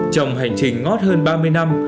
trong hành trình ngót hơn ba mươi năm